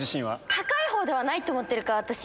高いほうではないと思ってるから。